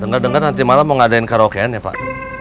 dengar dengar nanti malah mau ngadain karaokean ya pak